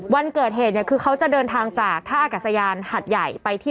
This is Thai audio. วันเกิดเหตุคือเขาจะเดินทางจากท่าอากัสยานหัดใหญ่